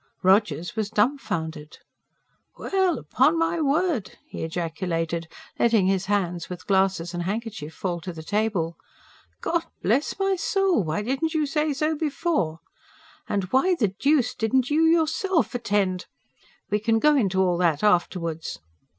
Rogers was dumbfounded. "Well, upon my word!" he ejaculated, letting his hands with glasses and handkerchief fall to the table. "God bless my soul! why couldn't you say so before? And why the deuce didn't you yourself attend " "We can go into all that afterwards."